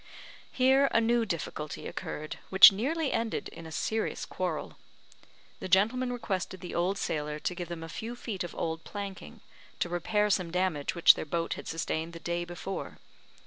Here a new difficulty occurred, which nearly ended in a serious quarrel. The gentlemen requested the old sailor to give them a few feet of old planking, to repair some damage which their boat had sustained the day before.